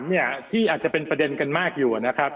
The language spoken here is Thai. ส่วนอันที่สามที่อาจจะเป็นประเด็นกันมากอยู่นะครับ